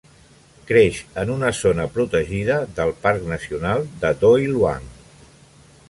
Creix en una zona protegida del parc nacional de Doi Luang.